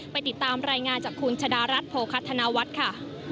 ติดตามรายงานจากคุณชะดารัฐโภคัธนวัฒน์ค่ะ